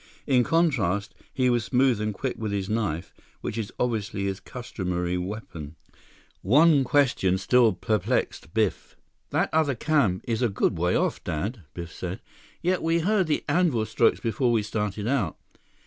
In contrast, he was smooth and quick with his knife, which is obviously his customary weapon." One question still perplexed Biff. "That other camp is a good way off, Dad," Biff said, "yet we heard the anvil strokes before we started out.